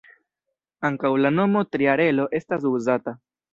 Ankaŭ la nomo ""tria relo"" estas uzata.